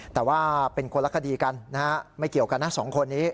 แต่ว่าเป็นคนละคดีกันนะฮะไม่เกี่ยวกันนะสองคนนี้